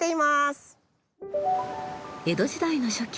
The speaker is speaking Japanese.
江戸時代の初期